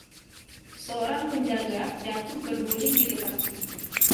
Seorang penjaga jatuh berguling di dekatku.